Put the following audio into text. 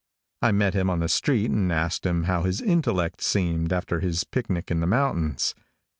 I met him on the street and asked him how his intellect seemed after his picnic in the mountains.